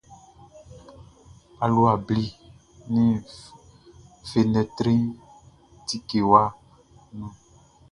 Alua ble nian fenɛtri tikewa nu.